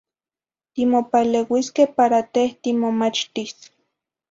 Timopaleuisque para teh timomachtis.